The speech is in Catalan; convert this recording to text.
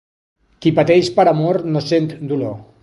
Qui pateix per amor no sent dolor.